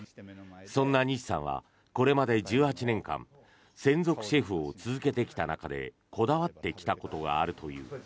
そんな西さんはこれまで１８年間専属シェフを続けてきた中でこだわってきたことがあるという。